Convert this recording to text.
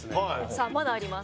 さあまだあります。